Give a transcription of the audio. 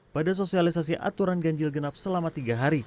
pada sosialisasi aturan ganjil genap selama tiga hari